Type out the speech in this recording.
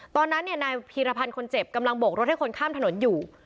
ตอนนั้นนายพีรพันธ์คนเจ็บกำลังโบกรถให้คนข้ามถนนอยู่